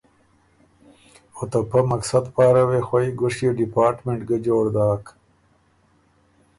او ته پۀ مقصد پاره وې خوئ ګشيې ډیپارټمنټ ګۀ جوړ داک هۀ